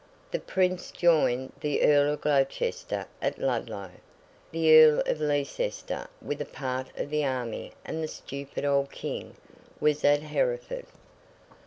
The Prince joined the Earl of Gloucester at Ludlow. The Earl of Leicester, with a part of the army and the stupid old King, was at Hereford.